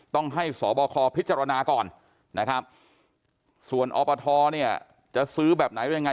ต้องให้สบคพิจารณาก่อนนะครับส่วนอปทเนี่ยจะซื้อแบบไหนยังไง